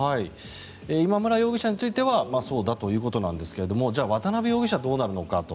今村容疑者についてはそうだということなんですが渡邉容疑者はどうなるのかと。